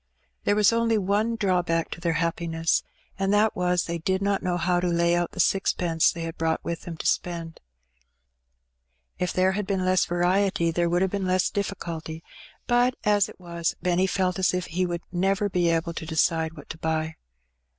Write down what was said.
There was only one draw In which Benny makes a Discovery. 55 back to their happiness^ and that was they did not know how to lay out the sixpence they had brought with them to spend. If there had been less variety there would have been less difficulty ; but, as it was, Benny felt as if he would never be able to decide what to buy.